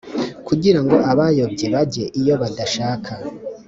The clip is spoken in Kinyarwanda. kugira ngo abayobye bajye iyo badashaka.